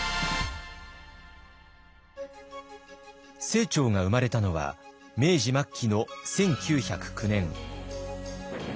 清張が生まれたのは明治末期の１９０９年。